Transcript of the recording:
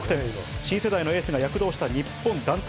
新世代のエースが躍動した日本団体。